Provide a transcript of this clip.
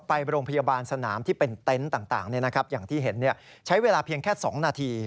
ไปโรงพยาบาลสนามที่เป็นเตนท์ต่างใช้เวลาเพียงแค่๒นาที